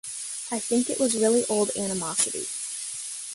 I think it was really old animosity.